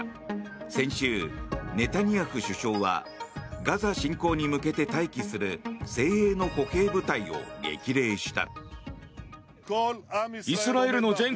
先週、ネタニヤフ首相はガザ侵攻に向けて待機する精鋭の歩兵部隊を激励した。